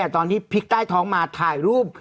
ตอนที่พลิกใต้ท้องมาถ่ายรูป